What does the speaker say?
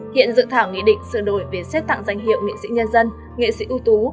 hiện dự thảo nghị định sửa đổi về xét tặng danh hiệu nghệ sĩ nhân dân nghệ sĩ ưu tú